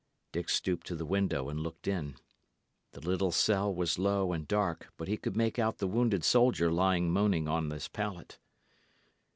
Dick stooped to the window and looked in. The little cell was low and dark, but he could make out the wounded soldier lying moaning on his pallet.